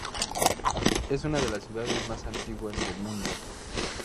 Es una de las ciudades más antiguas del mundo.